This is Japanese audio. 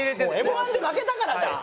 Ｍ−１で負けたからじゃん。